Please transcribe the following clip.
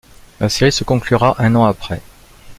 La série se conclura un an après.